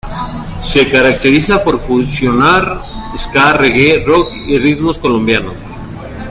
Se caracteriza por fusionar Ska, Reggae, Rock y ritmos colombianos.